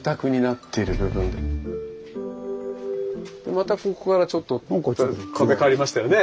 またここからちょっと壁変わりましたよね。